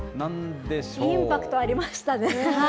インパクトありましたね。